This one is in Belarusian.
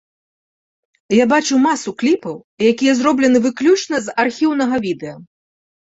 Я бачыў масу кліпаў, якія зроблены выключна з архіўнага відэа.